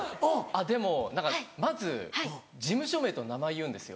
でも何かまず事務所名と名前言うんですよ。